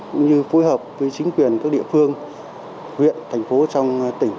cũng như phối hợp với chính quyền các địa phương huyện thành phố trong tỉnh